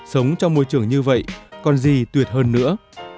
sống trong môi trường như vậy còn gì tuyệt hơn nữa